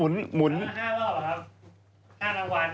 พูดให้ดีสิไม่เข้าใจ